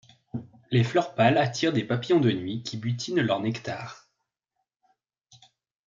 Les fleurs pâles attirent des papillons de nuit qui butinent leur nectar.